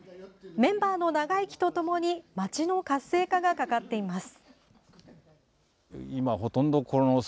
メンバーの長生きとともに街の活性化がかかっています。